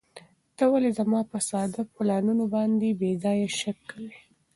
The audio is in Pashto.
ته ولې زما په ساده پلانونو باندې بې ځایه شک کوې؟